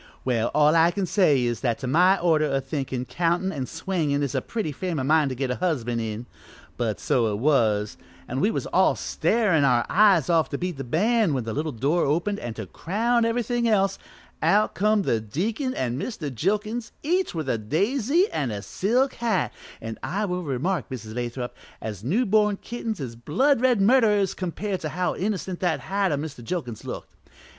Well, all I can say is, that to my order o' thinkin' countin' an' swingin' is a pretty frame o' mind to get a husband in, but so it was, an' we was all starin' our eyes off to beat the band when the little door opened an', to crown everythin' else, out come the deacon an' Mr. Jilkins, each with a daisy an' a silk hat, an' I will remark, Mrs. Lathrop, as new born kittens is blood red murderers compared to how innocent that hat o' Mr. Jilkins' looked.